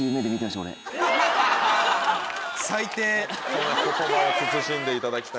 お言葉を慎んでいただきたい。